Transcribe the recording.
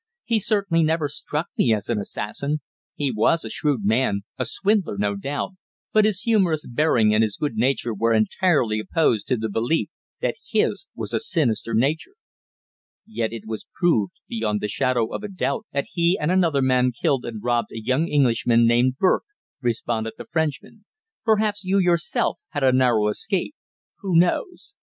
"He certainly never struck me as an assassin. He was a shrewd man a swindler, no doubt, but his humorous bearing and his good nature were entirely opposed to the belief that his was a sinister nature." "Yet it was proved beyond the shadow of a doubt that he and another man killed and robbed a young Englishman named Burke," responded the Frenchman. "Perhaps you, yourself, had a narrow escape. Who knows?